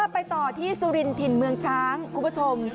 ไปต่อที่สุรินถิ่นเมืองช้างคุณผู้ชม